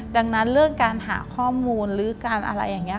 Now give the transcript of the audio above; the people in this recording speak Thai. ดังนั้นเรื่องการหาข้อมูลหรือการอะไรอย่างนี้